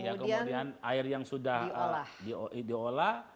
ya kemudian air yang sudah diolah